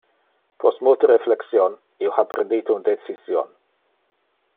Post multo reflexion, io ha prendite un decision.